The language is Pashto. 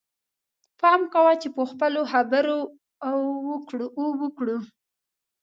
پام کوه چې په خپلو خبرو او کړو.